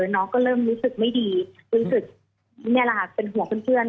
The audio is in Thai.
น้องก็เริ่มรู้สึกไม่ดีรู้สึกนี่แหละค่ะเป็นห่วงเพื่อน